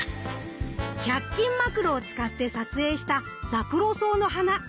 １００均マクロを使って撮影したザクロソウの花。